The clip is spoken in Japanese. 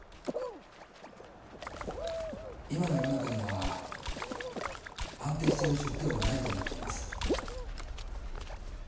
今の世の中には安定している職業はないと思っています。